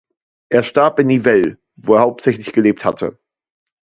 Er starb in Nivelles, wo er hauptsächlich gelebt hatte.